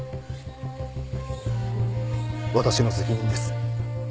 私の責任です。